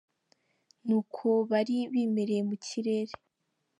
Ni uko bari bimereye mu kirere.